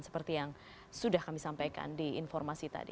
seperti yang sudah kami sampaikan di informasi tadi